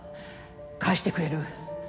返してくれる？